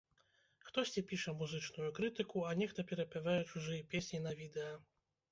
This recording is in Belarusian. Хтосьці піша музычную крытыку, а нехта перапявае чужыя песні на відэа.